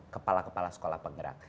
kepala kepala sekolah penggerak